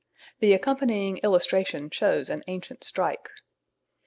The accompanying illustration shows an ancient strike.